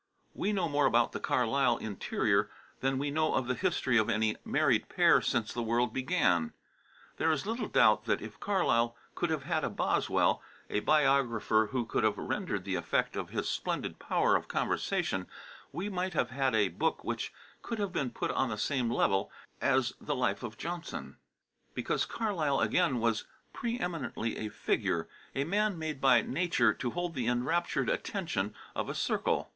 We know more about the Carlyle interior than we know of the history of any married pair since the world began. There is little doubt that if Carlyle could have had a Boswell, a biographer who could have rendered the effect of his splendid power of conversation, we might have had a book which could have been put on the same level as the life of Johnson, because Carlyle again was pre eminently a "figure," a man made by nature to hold the enraptured attention of a circle.